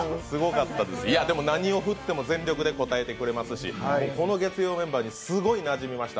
いや、でも何を振っても全力で応えてくれましたしこの月曜メンバーにすごいなじみました。